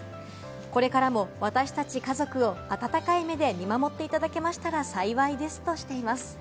これからも私達、家族を温かい目で見守っていただけましたら幸いですとしています。